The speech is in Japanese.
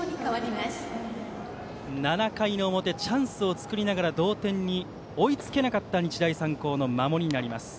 ７回の表、チャンスを作りながら同点に追いつけなかった日大三高の守りになります。